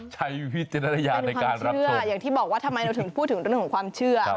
ใช้วิทยาลัยในการรับชกเป็นความเชื่ออย่างที่บอกว่าทำไมเราถึงพูดถึงตัวหนึ่งของความเชื่อ